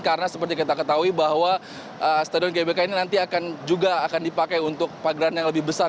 karena seperti kita ketahui bahwa stadion gbk ini nanti akan juga akan dipakai untuk pageran yang lebih besar